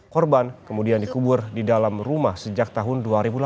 korban kemudian dikubur di dalam rumah sejak tahun dua ribu delapan belas